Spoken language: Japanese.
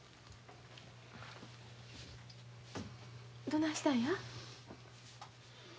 どないしたんや？